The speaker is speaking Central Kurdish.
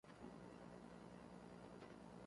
بە ڕای من بیرۆکەیەکی باش نییە.